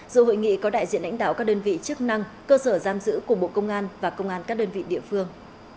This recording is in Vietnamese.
dù hội nghị có đại diện lãnh đạo các đơn vị chức năng cơ sở giam giữ của bộ công an và công an các đơn vị địa phương